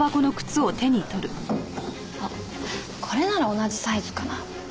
あっこれなら同じサイズかな？